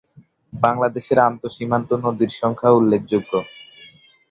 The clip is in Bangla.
বাংলাদেশে আন্তঃসীমান্ত নদীর সংখ্যা উল্লেখযোগ্য।